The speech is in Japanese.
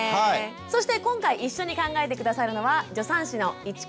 そして今回一緒に考えて下さるのは助産師の市川香織さんです。